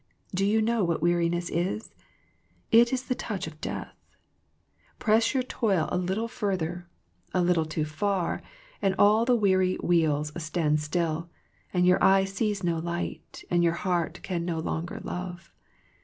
Do you know what weariness is ? It is the touch of death. Press your toil a little THE PLANE OF PEAYER 77 further, a little too far, and all the weary wheels stand still, and your eye sees no light, and your heart can no longer love.